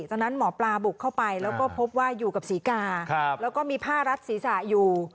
ตอนนั้นหมอปลาบุกเข้าไปแล้วก็พบว่าอยู่กับศรีกาแล้วก็มีผ้ารัดศีรษะอยู่